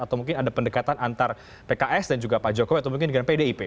atau mungkin ada pendekatan antar pks dan juga pak jokowi atau mungkin dengan pdip